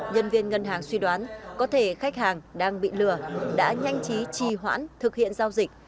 nhân viên ngân hàng suy đoán có thể khách hàng đang bị lừa đã nhanh chí trì hoãn thực hiện giao dịch